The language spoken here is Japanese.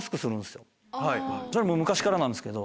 昔からなんですけど。